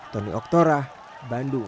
tony oktora bandung